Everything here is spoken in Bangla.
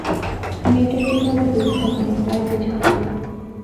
মেয়েটার জন্য আমার দুঃখ হয়, আর কিছু না।